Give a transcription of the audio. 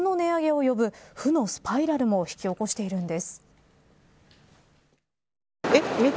さらに、その値上げがまた別の値上げを呼ぶ負のスパイラルも引き起こしているんです。